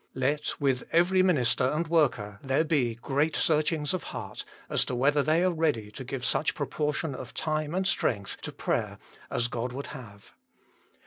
Let, with every minister and worker, there be " great searchings of heart," as to whether they are ready to give such proportion of time and strength to prayer as God would have.